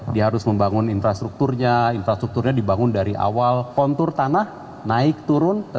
dia harus membangun infrastrukturnya infrastrukturnya dibangun dari awal kontur tanah naik turun